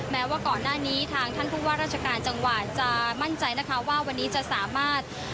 แม้ว่าก่อนหน้านี้ทางท่านผู้ว่าราชการจังหวัดจะมั่นใจนะคะว่าวันนี้จะสามารถ